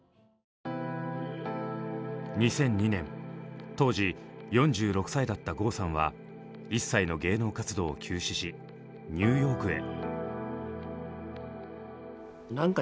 ２００２年当時４６歳だった郷さんは一切の芸能活動を休止しニューヨークへ。